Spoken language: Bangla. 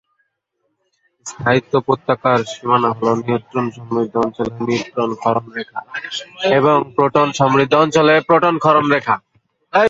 স্থায়িত্ব উপত্যকার সীমানা হল নিউট্রন-সমৃদ্ধ অঞ্চলে নিউট্রন ক্ষরণ রেখা, এবং প্রোটন-সমৃদ্ধ অঞ্চলে প্রোটন ক্ষরণ রেখা।